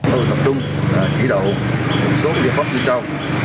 tôi tập trung chỉ đổ một số địa pháp như sau